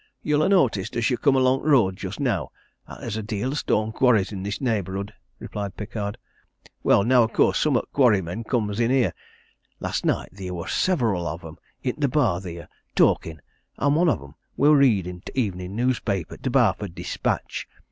"You'll ha' noticed, as you come along t' road just now, 'at there's a deal o' stone quarries i' this neighbourhood?" replied Pickard. "Well, now, of course, some o' t' quarry men comes in here. Last night theer wor sev'ral on 'em i' t' bar theer, talkin', and one on 'em wor readin' t' evenin' newspaper t' Barford Dispatch.